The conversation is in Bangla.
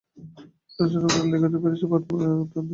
তাছাড়া আপনার লিখাতে প্যারিসের পটভূমিও প্রতিবন্ধক।